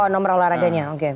oh nomor olahraganya oke